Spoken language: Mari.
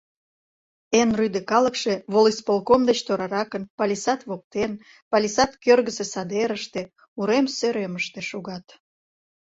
Эн рӱдӧ калыкше, волисполком деч тораракын, палисад воктен, палисад кӧргысӧ садерыште, урем сӧремыште шогат.